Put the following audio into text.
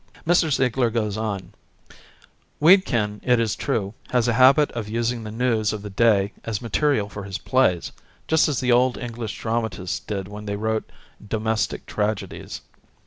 " Mr. Ziegler goes on: "Wedekind, it is true, has a habit of using the news of the day as material for his plays, just as the old English dramatists did when they wrote 'domestic tragedies.'